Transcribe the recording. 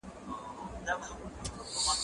زه اوږده وخت ليک لولم وم!.